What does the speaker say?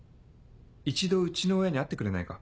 一度うちの親に会ってくれないか？